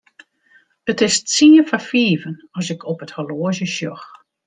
It is tsien foar fiven as ik op it horloazje sjoch.